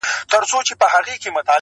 کرونا-